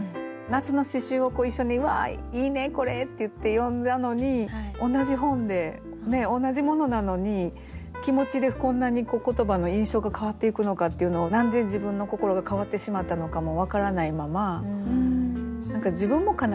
夏の詩集を一緒に「わあいいねこれ」っていって読んだのに同じ本で同じものなのに気持ちでこんなに言葉の印象が変わっていくのかっていうのを何で自分の心が変わってしまったのかも分からないまま何か自分も悲しいんですよね。